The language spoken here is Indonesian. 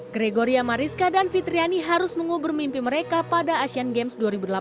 gregoria mariska dan fitriani harus mengubur mimpi mereka pada asian games dua ribu delapan belas